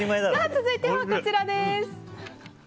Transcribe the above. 続いてはこちらです。